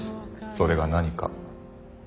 それが何か？